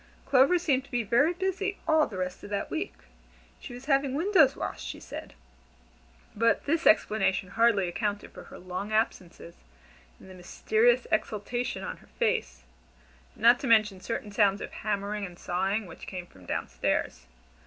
Clover seemed to be very busy all the rest of that week. She was "having windows washed," she said, but this explanation hardly accounted for her long absences, and the mysterious exultation on her face, not to mention certain sounds of hammering and sawing which came from down stairs.